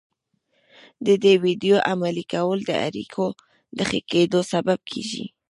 د دې ويډيو عملي کول د اړيکو د ښه کېدو سبب کېږي.